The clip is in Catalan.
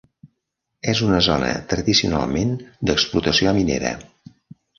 És una zona tradicionalment d'explotació minera.